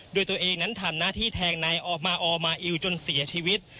โดยตัวเองนั้นทำหน้าที่แทงนายออกมาออมาอิวจนเสียชีวิต